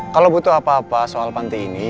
kalau butuh apa apa soal panti ini